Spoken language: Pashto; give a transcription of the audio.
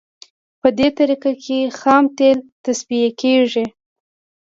په دې طریقه کې خام تیل تصفیه کیږي